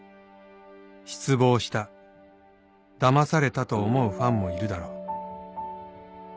「『失望した』『騙された』と思うファンもいるだろう」